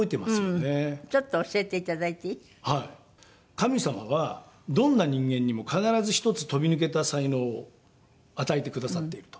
「神様はどんな人間にも必ず一つ飛び抜けた才能を与えてくださっている」と。